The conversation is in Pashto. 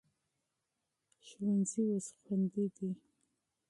ښوونځي اوس خوندي دي.